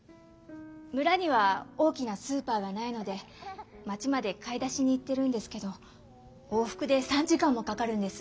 村には大きなスーパーがないので町まで買い出しに行ってるんですけど往復で３時間もかかるんです。